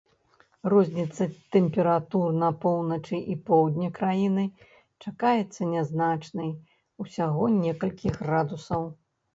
Розніца тэмператур на поўначы і поўдні краіны чакаецца нязначнай, усяго некалькі градусаў.